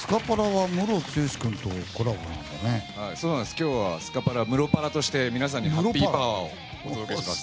今日はムロパラとして皆さんにハッピーパワーをお届けします。